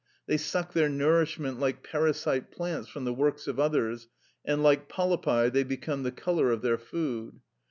They suck their nourishment, like parasite plants, from the works of others, and like polypi, they become the colour of their food.